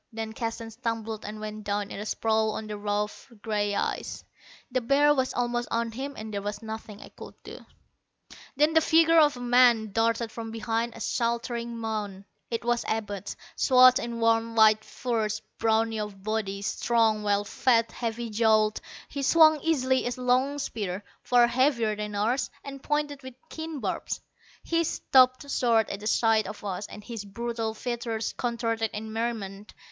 Then Keston stumbled and went down in a sprawl on the rough gray ice. The bear was almost on him and there was nothing I could do. Then the figure of a man darted from behind a sheltering mound. It was Abud, swathed in warm white furs, brawny of body, strong, well fed, heavy jowled. He swung easily a long spear, far heavier than ours, and pointed with keen barbs. He stopped short at the sight of us, and his brutal features contorted in merriment.